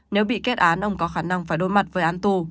nếu bị kết án ông có khả năng phải đối mặt với án tù